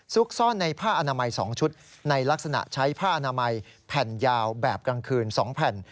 ซุกซ่อนในผ้าอนามัย๒ชุดในลักษณะใช้ผ้าอนามัยแผ่นยาวแบบกลางคืน๒แผ่น